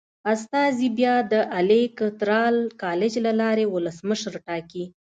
استازي بیا د الېکترال کالج له لارې ولسمشر ټاکي.